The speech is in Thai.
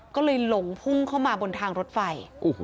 ก็เลยหลงพุ่งเข้ามาบนทางรถไฟ